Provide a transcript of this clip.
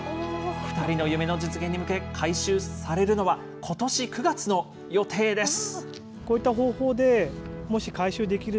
２人の夢の実現に向け、回収されるのはことし９月の予定です。